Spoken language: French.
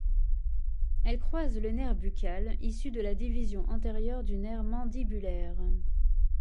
Elle croise le nerf buccal, issu de la division antérieur du nerf mandibulaire.